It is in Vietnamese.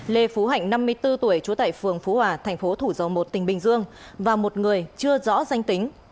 lê phú hạnh năm mươi bốn tuổi trú tại phường phú hòa thành phố thủ dầu một tỉnh bình dương và một người chưa rõ danh tính